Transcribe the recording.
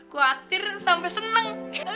khawatir sampai seneng